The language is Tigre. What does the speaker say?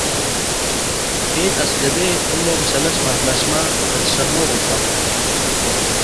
” ቤት አስገዴ' እሎም ሰለስ መፍለስመ ልትሰመው እበ ።